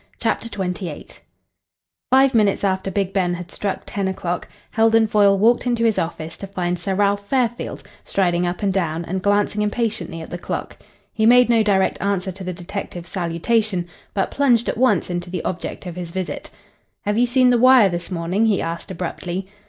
CHAPTER XXVIII Five minutes after Big Ben had struck ten o'clock Heldon Foyle walked into his office to find Sir Ralph Fairfield striding up and down and glancing impatiently at the clock. He made no direct answer to the detective's salutation, but plunged at once into the object of his visit. "Have you seen the Wire this morning?" he asked abruptly.